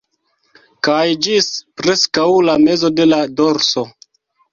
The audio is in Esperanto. Kaj ĝis preskaŭ la mezo de la dorso